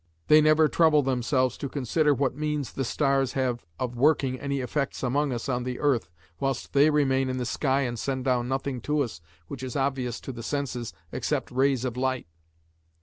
They never trouble themselves to consider what means the stars have of working any effects among us on the earth whilst they remain in the sky and send down nothing to us which is obvious to the senses, except rays of light."